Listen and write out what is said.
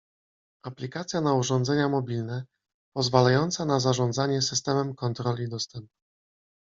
Aplikacja na urządzenia mobilne, pozwalająca na zarządzanie systemem kontroli dostępu